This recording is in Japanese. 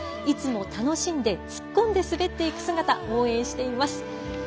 いつも楽しんで突っ込んで滑っていく姿応援しています。